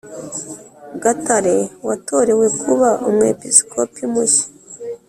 Gatare watorewe kuba Umwepiskopi mushya